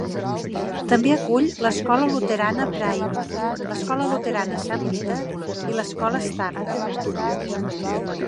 També acull l'escola luterana Prairie, l'escola luterana Sant Peter i l'escola Starland.